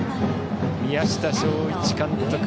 宮下正一監督